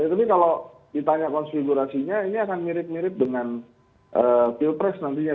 tapi kalau ditanya konfigurasinya ini akan mirip mirip dengan pilpres nantinya